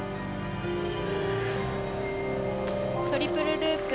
トリプルループ。